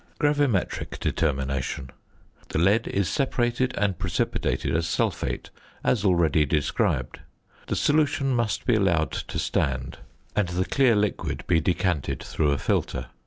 GRAVIMETRIC DETERMINATION. The lead is separated and precipitated as sulphate, as already described. The solution must be allowed to stand, and the clear liquid be decanted through a filter.